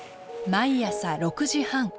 毎朝６時半。